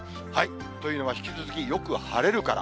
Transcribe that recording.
というのは、引き続きよく晴れるから。